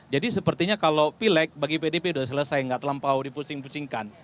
jadi sepertinya kalau pileg bagi pdip sudah selesai tidak terlalu dipusing pusingkan